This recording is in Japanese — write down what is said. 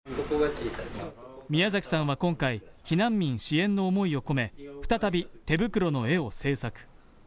ミヤザキさんは今回、避難民支援の思いを込め、再び、「てぶくろ」の絵を制作。